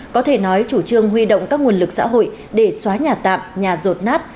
có thể nói chủ trương huy động các nguồn lực xã hội để xóa nhà tạm nhà rột nát